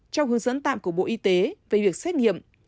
theo hướng dẫn tạm của bộ y tế về việc xét nghiệm